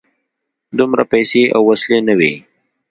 دومره پیسې او وسلې نه وې.